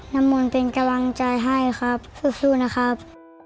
น้ำมนต์เป็นกำลังใจให้ครับสู้นะครับ